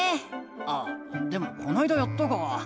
あでもこないだやったか。